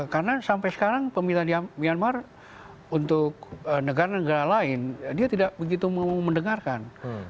karena sampai sekarang pemerintah myanmar untuk negara negara lain dia tidak begitu mau mendengarkan